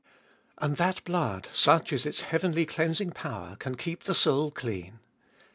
3. And that blood, such is its heavenly cleansing power, can keep the soul clean.